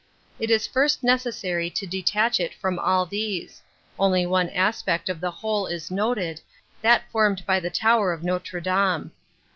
It is first necessary to detach it from all these ; only one aspect of the whole is noted, that formed by the tower of Notre Dame.